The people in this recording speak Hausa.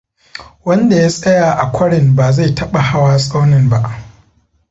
Wanda ya tsaya a kwarin ba zai taba hawa tsaunin ba.